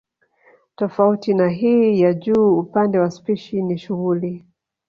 Tofauti na hii ya juu upande wa spishi ni shughuli